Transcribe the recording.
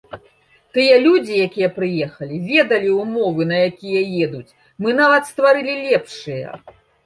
Тыя людзі, якія прыехалі, ведалі ўмовы, на якія едуць, мы нават стварылі лепшыя.